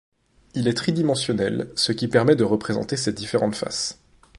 Il est tri-dimensionnel, ce qui permet de représenter ses différentes faces.